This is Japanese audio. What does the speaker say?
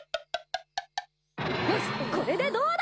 よしこれでどうだ？